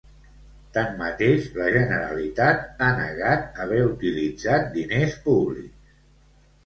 Tanmateix, la Generalitat ha negat haver utilitzat diners públics.